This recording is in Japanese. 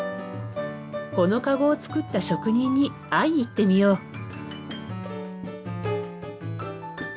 このかごを作った職人に会いに行ってみよう。